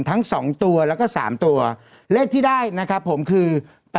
ทั้ง๒ตัวแล้วก็๓ตัวเลขที่ได้นะครับผมคือ